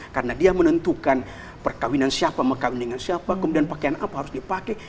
karena dia menentukan perkawinan siapa mengkawin dengan siapa kemudian pakaian apa harus dipakai